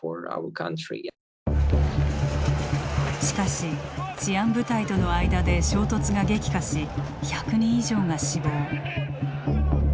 しかし治安部隊との間で衝突が激化し１００人以上が死亡。